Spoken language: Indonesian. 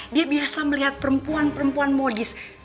dia biasa melihat perempuan perempuan modis